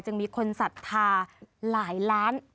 จึงมีคนศัฒนาหลายล้าน